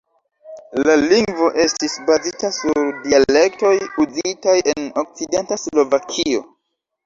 La lingvo estis bazita sur dialektoj uzitaj en okcidenta Slovakio.